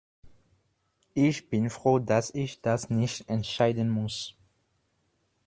Ich bin froh, dass ich das nicht entscheiden muss.